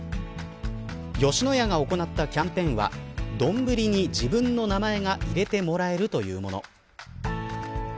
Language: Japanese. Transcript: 吉野家が行ったキャンペーンはどんぶりに自分の名前が入れてもらえるというもの。